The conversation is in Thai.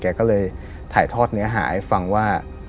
แกก็เลยถ่ายทอดเนื้อหาให้ฟังว่า